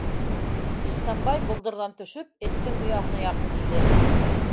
Ихсанбай, болдорҙан төшөп, эттең ояһына яҡын килде.